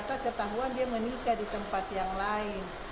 tetapi ternyata ketahuan dia menikah di tempat yang lain